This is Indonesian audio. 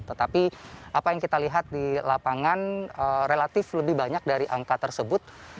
tetapi apa yang kita lihat di lapangan relatif lebih banyak dari angka tersebut